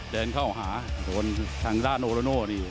เดินเข้าหาโดนทางด้านโนโลโน่นี่